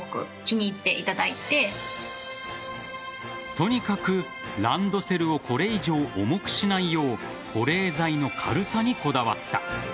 とにかくランドセルをこれ以上、重くしないよう保冷剤の軽さにこだわった。